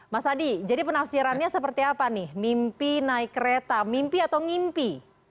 mas adi jadi penafsirannya seperti apa nih mimpi naik kereta mimpi atau ngimpi